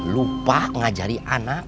lupa ngajari anak